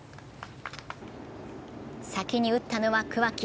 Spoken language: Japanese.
先に打ったのは桑木。